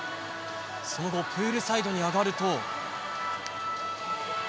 その後プールサイドに上がると。